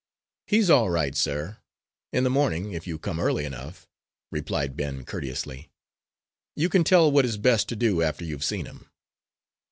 "He's all right, sir, in the morning, if you come early enough," replied Ben, courteously. "You can tell what is best to do after you've seen him."